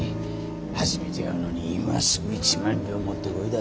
初めて会うのに今すぐ一万両持ってこいだと？